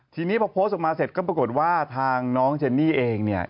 ทีนี้พอโพสต์ออกมาเสร็จก็ปรากฏว่าทางน้องเจนนี่เองเนี่ย